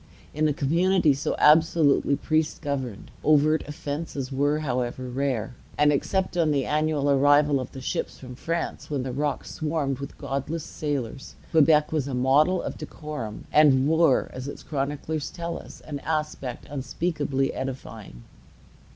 In a community so absolutely priest governed, overt offences were, however, rare; and, except on the annual arrival of the ships from France, when the rock swarmed with godless sailors, Quebec was a model of decorum, and wore, as its chroniclers tell us, an aspect unspeakably edifying.